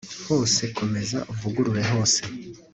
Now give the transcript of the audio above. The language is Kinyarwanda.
hose, komeza uvugurure hose